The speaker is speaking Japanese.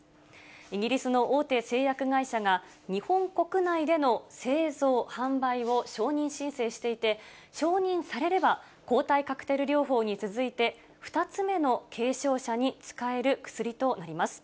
イギリスの大手製薬会社が、日本国内での製造、販売を承認申請していて、承認されれば、抗体カクテル療法に続いて、２つ目の軽症者に使える薬となります。